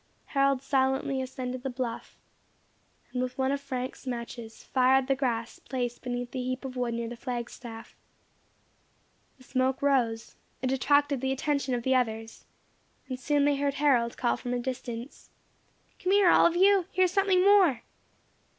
Harold silently ascended the bluff, and with one of Frank's matches fired the grass placed beneath the heap of wood near the flag staff. The smoke rose; it attracted the attention of the others, and soon they heard Harold call from a distance, "Come here, all of you! Here is something more."